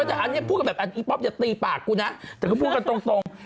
แต่อันนี้พูดกันแบบอีป๊อปอย่าตีปากกูนะแต่ก็พูดกันตรง